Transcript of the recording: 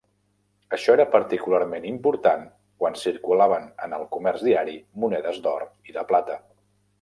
Això era particularment important quan circulaven en el comerç diari monedes d'or i de plata.